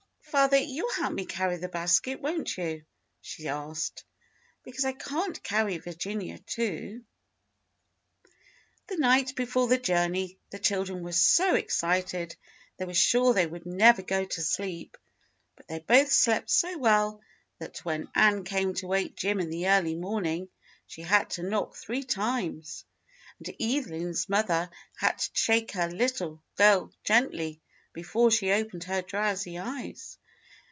"Father, you'll help me carry the basket, won't you.^" she asked. "Because I can't carry Virginia too." The night before the journey the children were so excited they were sure they could never go to sleep, but they both slept so well that when Ann came to wake Jim in the early morning she had to knock three times, and Evelyn's mother had to shake her little girl gently before she opened her drowsy eyes.